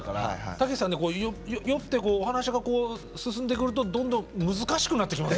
武史さんね酔ってお話が進んでくるとどんどん難しくなってきます。